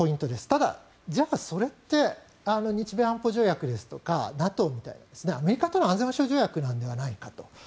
ただ、じゃあそれって日米安保条約ですとかＮＡＴＯみたいにアメリカとの安全保障条約なのではないかと。